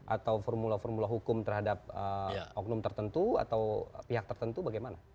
atau formula formula hukum terhadap oknum tertentu atau pihak tertentu bagaimana